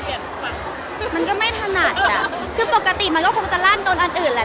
อเรนนี่มันก็ไม่ถนัดคือปกติมันก็คงจะลั่นตนอันอื่นแหละ